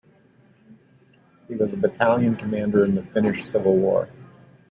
He was a battalion commander in the Finnish Civil War.